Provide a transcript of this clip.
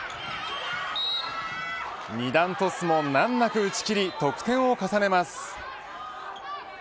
２段トスも難なく打ち切り得点を重ねます。